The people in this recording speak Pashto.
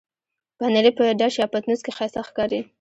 پنېر په ډش یا پتنوس کې ښايسته ښکاري.